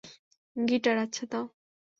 Guitar, আচ্ছা দাও।